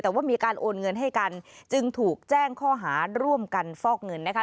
แต่ว่ามีการโอนเงินให้กันจึงถูกแจ้งข้อหาร่วมกันฟอกเงินนะคะ